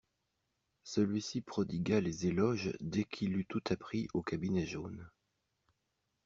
Celui-ci prodigua les éloges dès qu'il eût tout appris au cabinet jaune.